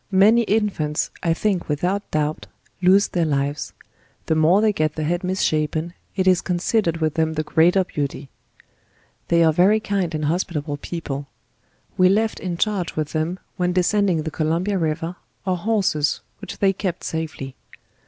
many infants, I think without doubt, lose their lives. The more they get the head misshapen, it is consid ered with them the greater beauty. They are very kind and hospitable people. We left in charge with them when descending the Columbia river, our horses, which they kept safely.